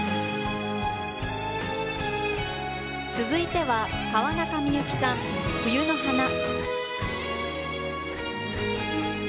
続いては川中美幸さん「冬の華」。